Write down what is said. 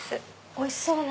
おいしそう！